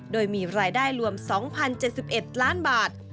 โดยมีรายได้รวม๒๐๗๑ล้านบาท